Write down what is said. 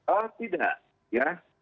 oh tidak ya